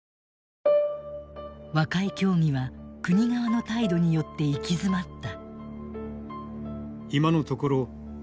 和解協議は国側の態度によって行き詰まった。